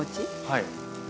はい。